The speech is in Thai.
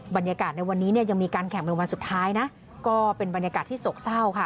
บรรยากาศในวันนี้เนี่ยยังมีการแข่งเป็นวันสุดท้ายนะก็เป็นบรรยากาศที่โศกเศร้าค่ะ